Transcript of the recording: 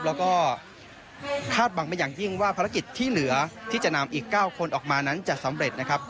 แล้วก็คาดหวังมาอย่างยิ่งว่าภารกิจที่เหลือที่จะนำอีก๙คนออกมานั้นจะสำเร็จนะครับ